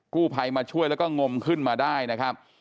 กู้ภัยมาช่วยแล้วก็งมขึ้นมาได้นะครับ